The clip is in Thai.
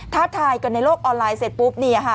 ท้าทายกันในโลกออนไลน์เสร็จปุ๊บ